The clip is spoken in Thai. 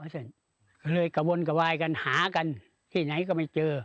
ก็เลยกระวนกระวายกันหากันที่ไหนก็ไม่เจอ